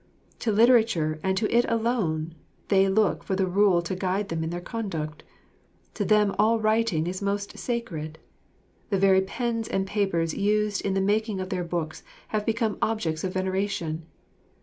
To literature and to it alone they look for the rule to guide them in their conduct. To them all writing is most sacred. The very pens and papers used in the making of their books have become objects of veneration.